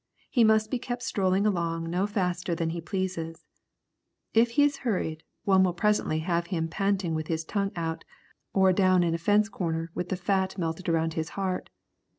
He must be kept strolling along no faster than he pleases. If he is hurried, one will presently have him panting with his tongue out, or down in a fence corner with the fat melted around his heart.